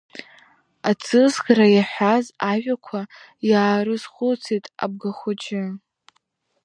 Аҵысӷра иаҳәаз ажәақәа иаарызхәыцит Абгахәыҷы.